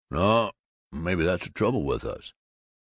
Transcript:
"No. Maybe that's the trouble with us."